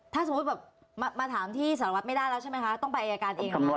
ถ้าสมมุติแบบมาถามที่สารวัตรไม่ได้แล้วใช่ไหมคะต้องไปอายการเองเหรอคะ